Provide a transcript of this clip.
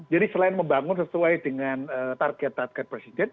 jadi selain membangun sesuai dengan target target presiden